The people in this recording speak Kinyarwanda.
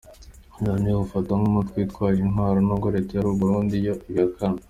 Loni iwufata nk’umutwe witwaje intwaro nubwo leta y’u Burundi yo ibihakana.